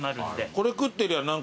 これ食ってりゃ何か。